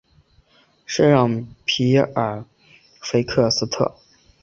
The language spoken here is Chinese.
圣让皮耶尔菲克斯特。